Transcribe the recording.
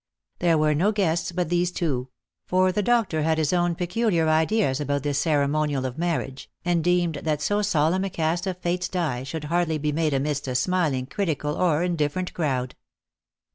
There were no guests but these two : for the doctor had his own peculiar ideas about this ceremonial of marriage, and deemed that so solemn a cast of Fate's die should hardly be made amidst a smiling, critical, or indifferent crowd.